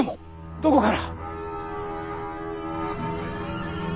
どこから？